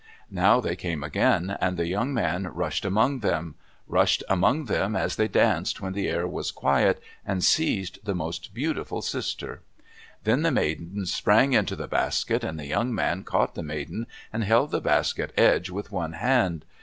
Now they came again, and the young man rushed among them; rushed among them as they danced when the air was quiet, and seized the most beautiful sister. Then the maidens sprang into the basket, and the young man caught the maiden, and held the basket edge with one hand.